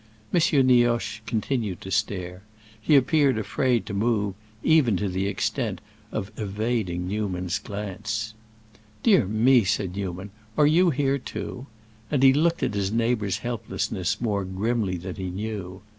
M. Nioche continued to stare; he appeared afraid to move, even to the extent of evading Newman's glance. "Dear me," said Newman; "are you here, too?" And he looked at his neighbor's helplessness more grimly than he knew.